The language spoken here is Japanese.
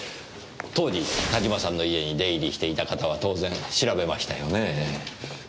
当時田島さんの家に出入りしていた方は当然調べましたよねぇ。